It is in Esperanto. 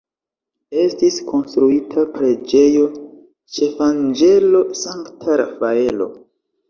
Estis konstruita preĝejo ĉefanĝelo Sankta Rafaelo.